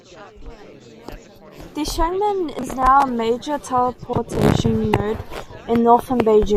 Deshengmen is now a major transportation node in northern Beijing.